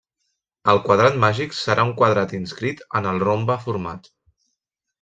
El quadrat màgic serà un quadrat inscrit en el rombe format.